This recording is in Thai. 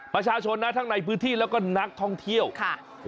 ประชาชนนะทั้งในพื้นที่แล้วก็นักท่องเที่ยวค่ะ